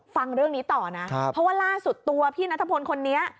ฟังเรื่องนี้ต่อนะเพราะว่าล่าสุดตัวพี่นัทพลคนนี้